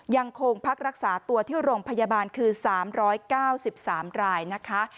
ยังคงพักรักษาตัวที่โรงพยาบาลคือ๓๙๓รายนะคะ